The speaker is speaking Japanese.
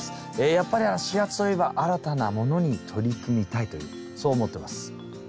やっぱり４月といえば新たなものに取り組みたいというそう思ってます。